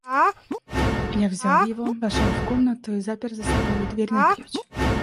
Я взял его, вошел в комнату и запер за собою дверь на ключ.